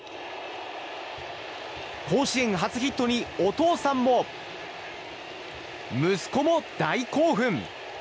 甲子園初ヒットにお父さんも息子も大興奮。